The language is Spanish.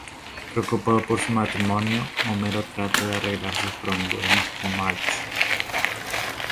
Preocupado por su matrimonio, Homero trata de arreglar sus problemas con Marge.